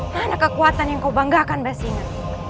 mana kekuatan yang kau banggakan mbak singa